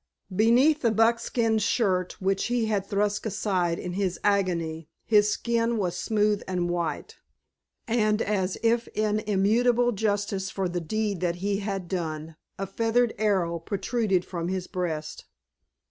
Beneath the buckskin shirt which he had thrust aside in his agony his skin was smooth and white, and, as if in immutable justice for the deed that he had done, a feathered arrow protruded from his breast.